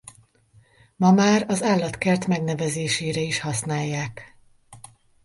Ma már az állatkert megnevezésére is használják.